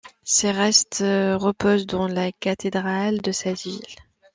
Ses restes reposent dans la cathédrale de cette ville.